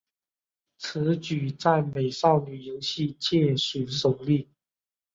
此举在美少女游戏界属首例。